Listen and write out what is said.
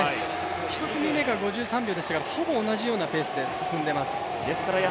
１組目が５３秒でしたからほぼ同じようなペースで進んでいます。